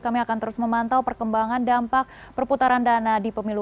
kami akan terus memantau perkembangan dampak perputaran dana di pemilu